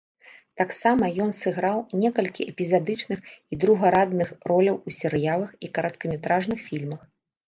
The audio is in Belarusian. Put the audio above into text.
Таксама ён сыграў некалькі эпізадычных і другарадных роляў у серыялах і кароткаметражных фільмах.